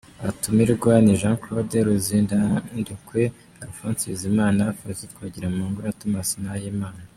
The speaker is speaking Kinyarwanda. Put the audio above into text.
Abatumirwa ni: Jean Claude Ruzirandekwe, Alphonse Bizimana, Faustin Twagiramungu na Thomas Nahimana